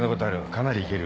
かなりいける。